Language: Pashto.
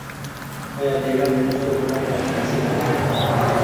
آیا د ایران ملي سرود لنډ او حماسي نه دی؟